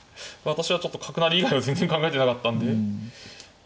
私はちょっと角成り以外は全然考えてなかったんで。